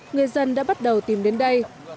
người dân đã bắt đầu tìm đến đây